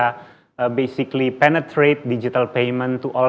sebenarnya penetratkan pembayaran digital